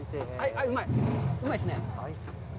はい、うまいっすね。